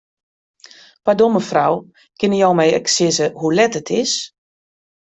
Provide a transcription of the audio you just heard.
Pardon, mefrou, kinne jo my ek sizze hoe let it is?